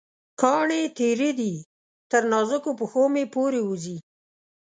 کاڼې تېره دي، تر نازکو پښومې پورې وځي